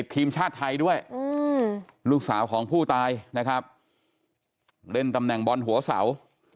ทีมชาติไทยด้วยลูกสาวของผู้ตายนะครับเล่นตำแหน่งบอลหัวเสา